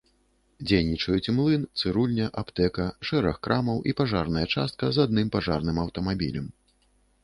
Дзейнічаюць млын, цырульня, аптэка, шэраг крамаў і пажарная частка з адным пажарным аўтамабілем.